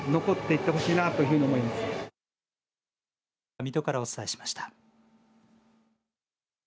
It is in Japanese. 水戸からお伝えしました。